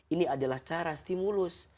ini adalah cara stimulus